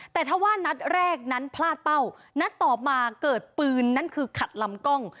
แต่ถ้าว่านัดแรกนั้นพลาดเป้านัดต่อมาเกิดปืนนั่นคือขัดลำกล้อง